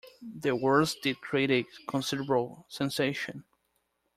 The words did create a considerable sensation.